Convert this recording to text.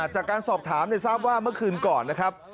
จากการสอบถามทราบว่าเมื่อคืนก่อนนะครับ